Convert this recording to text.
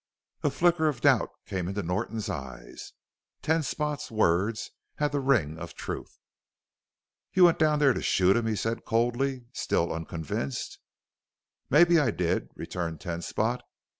A flicker of doubt came into Norton's eyes Ten Spot's words had the ring of truth. "You went down there to shoot him!" he said coldly, still unconvinced. "Mebbe I did," returned Ten Spot.